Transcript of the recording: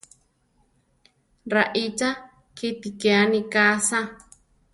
Raícha kíti ke aníka asá!